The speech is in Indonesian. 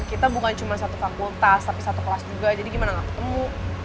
kita bukan cuma satu fakultas tapi satu kelas juga jadi gimana gak ketemu